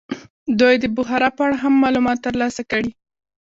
دوی دې د بخارا په اړه هم معلومات ترلاسه کړي.